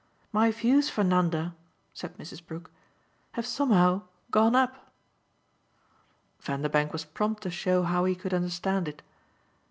My views for Nanda," said Mrs. Brook, "have somehow gone up." Vanderbank was prompt to show how he could understand it.